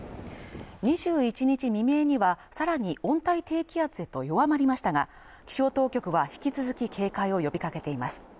２１日未明にはさらに温帯低気圧へと弱まりましたが気象当局は引き続き警戒を呼びかけています